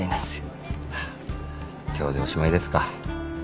あっ今日でおしまいですか。